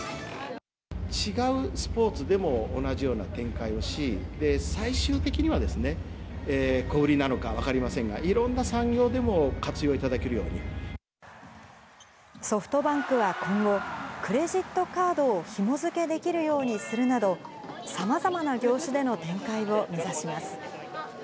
違うスポーツでも同じような展開をし、最終的には、小売りなのか分かりませんが、いろんな産ソフトバンクは今後、クレジットカードをひも付けできるようにするなど、さまざまな業種での展開を目指します。